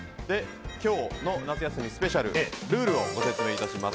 今日の夏休みスペシャルルールをご説明いたします。